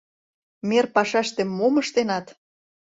— Мер пашаште мом ыштенат?